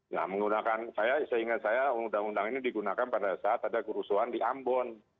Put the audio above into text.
nah menggunakan saya seingat saya undang undang ini digunakan pada saat ada kerusuhan di ambon